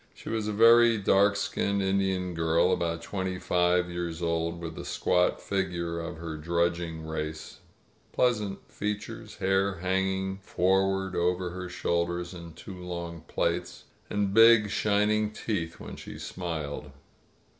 She was a very dark skinned Indian girl, about twenty five years old, with the squat figure of her drudging race, pleasant features, hair hanging forward over her shoulders in two long plaits, and big, shining teeth when she smiled.